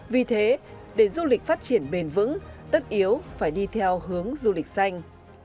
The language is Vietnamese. vì thế để du lịch phát triển bền vững tất yếu phải đi theo hướng du lịch xanh